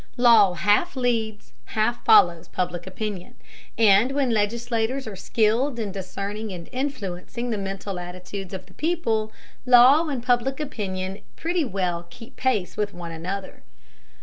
Law half leads, half follows Public Opinion, and when legislators are skilled in discerning and influencing the mental attitudes of the people, law and Public Opinion pretty well keep pace with one another.